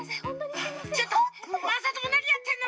ちょっとまさともなにやってんの？